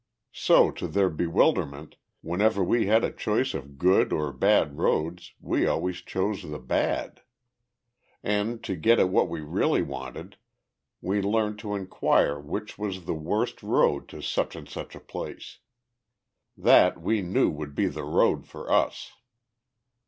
So, to their bewilderment, whenever we had a choice of good or bad roads, we always chose the bad. And, to get at what we really wanted, we learned to inquire which was the worst road to such and such a place. That we knew would be the road for us.